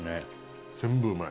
全部うまい。